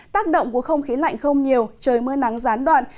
tác động của không khí lạnh không nhiều trời mưa nắng gián đoạn